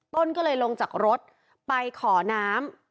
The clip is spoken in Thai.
ต้นก็เลยลงจากรถไปขอน้ำ